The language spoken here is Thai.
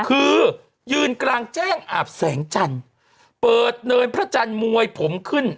คือยืนกลางแจ้งอาบแสงจันทร์เปิดเนินพระจันทร์มวยผมขึ้น